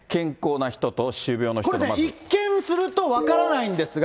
これ、一見すると分からないんですが。